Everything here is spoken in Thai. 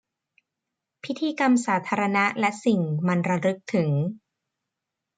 พิธีกรรมสาธารณะและสิ่งมันระลึกถึง